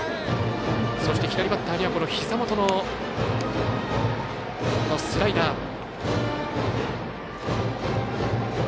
そして左バッターにはひざ元のスライダー。